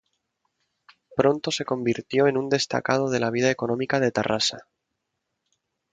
Pronto se convirtió en un destacado de la vida económica de Tarrasa.